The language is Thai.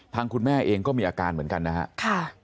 คุณแม่เองก็มีอาการเหมือนกันนะครับ